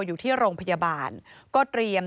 อยู่ที่โรงพยาบาลก็เตรียม